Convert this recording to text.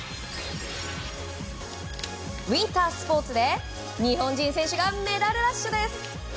ウィンタースポーツで日本人選手がメダルラッシュです。